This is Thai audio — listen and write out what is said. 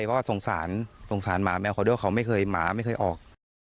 ก็สงสารสงสารหมาแมวเขาด้วยเขาไม่เคยหมาไม่เคยออก